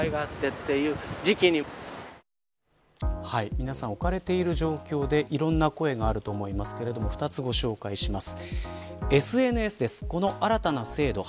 皆さん置かれている状況でいろんな声があると思いますが２つご紹介します。